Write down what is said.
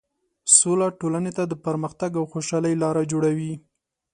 سوله ټولنې ته د پرمختګ او خوشحالۍ لاره جوړوي.